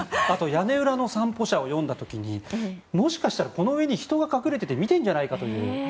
「屋根裏の散歩者」を読んだ時にもしかしたらこの上に人が隠れていて見ているんじゃないかという。